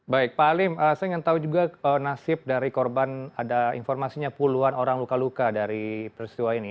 baik pak alim saya ingin tahu juga nasib dari korban ada informasinya puluhan orang luka luka dari peristiwa ini